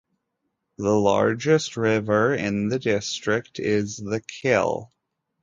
The largest river in the district is the Kyll.